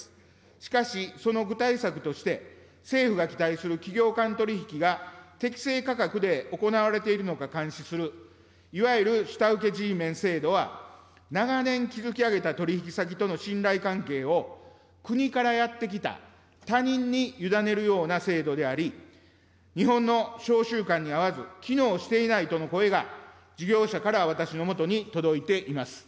しかし、その具体策として政府が期待する企業間取り引きが適正価格で行われているのか監視する、いわゆる下請けＧメン制度は、長年築き上げた取り引き先との信頼関係を国からやって来た他人に委ねるような制度であり、日本の商習慣に合わず、機能していないとの声が、事業者から私のもとに届いています。